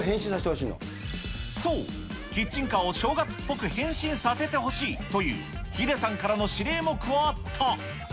そう、キッチンカーを正月っぽく変身させてほしいという、ヒデさんからの指令も加わった。